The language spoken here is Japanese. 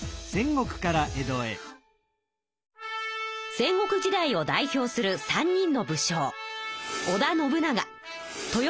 戦国時代を代表する３人の武将。